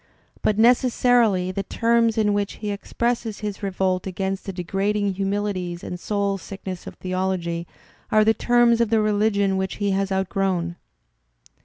But necessarily the terms in which l he expresses his revolt against the degrading humilities and soul sickness of theology are the terms of the religion which he has outgrown.